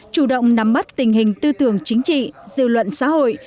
chủ động nắm mắt tình hình tư tưởng chính trị dư luận xã hội